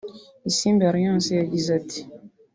Isimbi Alliance yagize ati